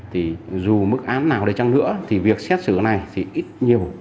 thì dù mức án nào để chăng nữa thì việc xét xử này thì ít nhiều